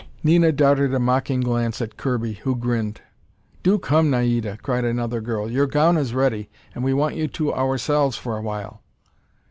Nini darted a mocking glance at Kirby, who grinned. "Do come, Naida!" cried another girl. "Your gown is ready, and we want you to ourselves for awhile."